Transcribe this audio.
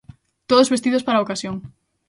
Todos vestidos para a ocasión.